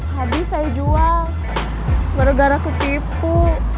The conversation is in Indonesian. habis saya jual bergara kupipu